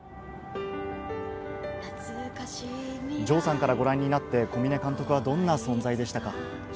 城さんからご覧になって、小嶺監督はどんな存在でしたか。